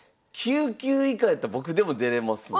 ９級以下やったら僕でも出れますもんね？